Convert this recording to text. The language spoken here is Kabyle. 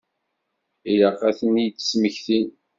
Ilaq ad ten-id-smektin.